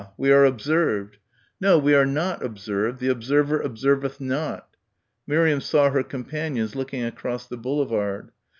we are observed." "No, we are not observed. The observer observeth not." Miriam saw her companions looking across the boulevard.